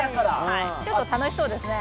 ちょっと楽しそうですね。